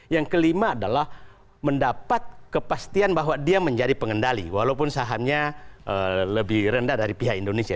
yang kelima adalah mendapat kepastian bahwa dia menjadi pengendali walaupun sahamnya lebih rendah dari pihak indonesia